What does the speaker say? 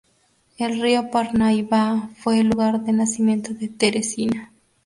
El río Parnaíba fue el lugar de nacimiento de Teresina.